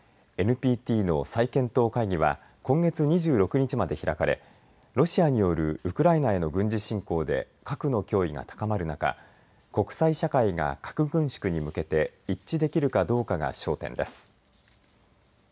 ＮＰＴの再検討会議は今月２６日まで開かれロシアによるウクライナへの軍事侵攻で核の脅威が高まる中国際社会が核軍縮に向けて一致できるかどうかが焦点です。